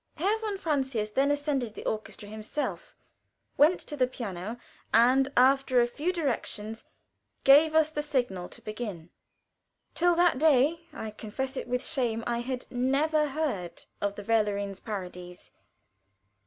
Herr von Francius then ascended the orchestra himself, went to the piano, and, after a few directions, gave us the signal to begin. Till that day I confess it with shame I had never heard of the "Verlorenes Paradies."